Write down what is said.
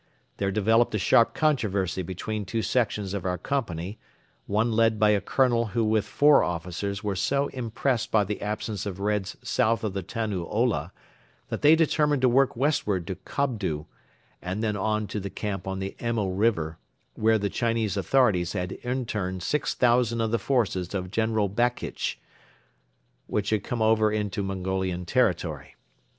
There developed a sharp controversy between two sections of our company, one led by a Colonel who with four officers were so impressed by the absence of Reds south of the Tannu Ola that they determined to work westward to Kobdo and then on to the camp on the Emil River where the Chinese authorities had interned six thousand of the forces of General Bakitch, which had come over into Mongolian territory.